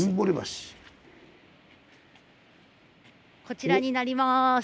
こちらになります。